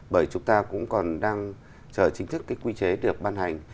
bởi chúng ta cũng còn đang chờ chính thức cái quy chế được ban hành